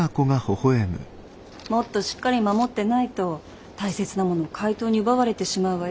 もっとしっかり守ってないと大切なもの怪盗に奪われてしまうわよ。